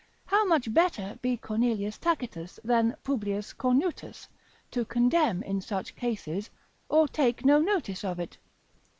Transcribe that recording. how much better be Cornelius Tacitus than Publius Cornutus, to condemn in such cases, or take no notice of it?